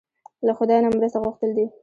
له خدای نه مرسته غوښتل دي.